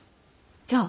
じゃあ。